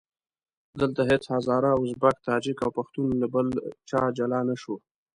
دلته هېڅ هزاره، ازبک، تاجک او پښتون له بل چا جلا نه شو.